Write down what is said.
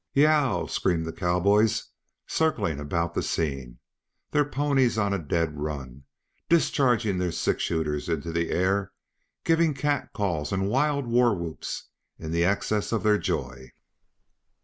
"Y e e e o ow!" screamed the cowboys, circling about the scene, their ponies on a dead run, discharging their six shooters into the air, giving cat calls and wild war whoops in the excess of their joy.